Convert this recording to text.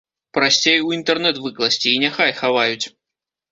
Прасцей у інтэрнэт выкласці, і няхай хаваюць!